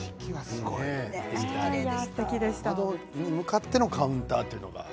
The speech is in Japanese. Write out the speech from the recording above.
あれに向かってのカウンターというのが。